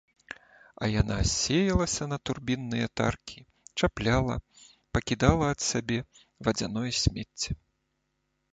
А яна сеялася на турбінныя таркі, чапляла, пакідала ад сябе вадзяное смецце.